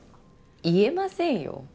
言えませんよ。